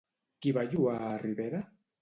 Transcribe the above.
Qui va lloar a Ribera?